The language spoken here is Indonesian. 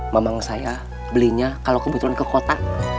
memang saya belinya kalau kebetulan ke kota